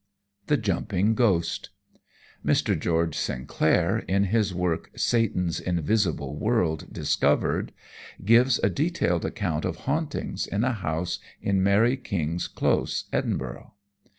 The Jumping Ghost Mr. George Sinclair, in his work Satan's Invisible World Discovered, gives a detailed account of hauntings in a house in Mary King's Close, Edinburgh.